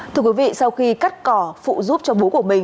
thưa quý vị sau khi cắt cỏ phụ giúp cho bố của mình